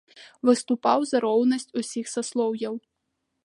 Выступаў за роўнасць усіх саслоўяў.